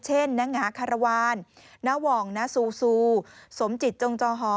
นางงาคารวาลน้าวองนาซูซูสมจิตจงจอหอ